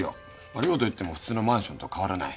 寮といっても普通のマンションと変わらない。